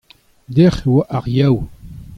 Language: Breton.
dec'h e oa ar Yaou.